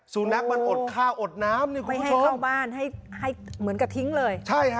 สุนัขมันอดข้าวอดน้ำไม่ให้เข้าบ้านให้ให้เหมือนกับทิ้งเลยใช่ฮะ